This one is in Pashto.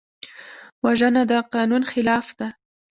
وژنه د قانون خلاف ده